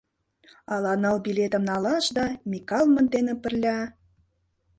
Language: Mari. Ала ныл билетым налаш да Микалмыт дене пырля?..»